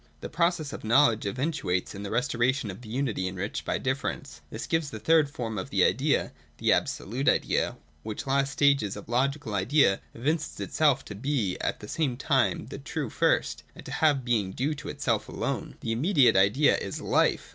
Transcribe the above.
The process of knowledge eventuates in the restoration of the unity enriched by differ ence. This gives the third form of the idea, the Absolute Idea : which last stage of the logical idea evinces itself to be at the same time the true first, and to have a being due to itself alone. (a) Life. 216.] The immediate idea is Life.